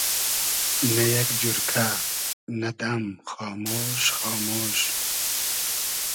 نۂ یئگ جورکۂ, نۂ دئم خامۉش خامۉش